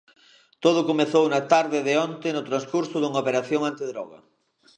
Todo comezou na tarde de onte no transcurso dunha operación antidroga.